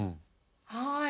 はい。